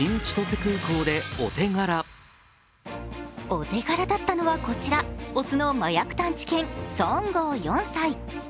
お手柄だったのはこちら、雄の麻薬探知犬・ソーン号４歳。